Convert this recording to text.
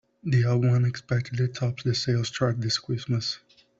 The album unexpectedly tops the sales chart this Christmas.